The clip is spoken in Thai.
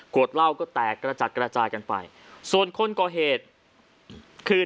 เหล้าก็แตกกระจัดกระจายกันไปส่วนคนก่อเหตุคือ